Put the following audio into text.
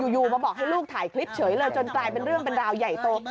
อยู่มาบอกให้ลูกถ่ายคลิปเฉยเลยจนกลายเป็นเรื่องเป็นราวใหญ่โต